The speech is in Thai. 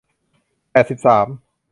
แปดสิบสาม